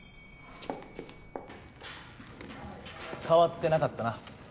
変わってなかったな。